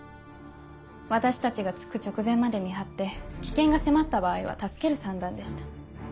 私たちが着く直前まで見張って危険が迫った場合は助ける算段でした。